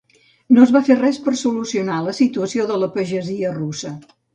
No es va fer res per solucionar la situació de la pagesia russa.